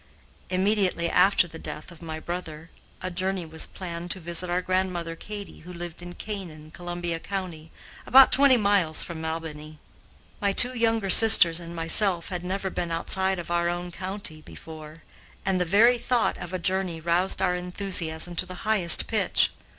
Immediately after the death of my brother, a journey was planned to visit our grandmother Cady, who lived in Canaan, Columbia County, about twenty miles from Albany. My two younger sisters and myself had never been outside of our own county before, and the very thought of a journey roused our enthusiasm to the highest pitch.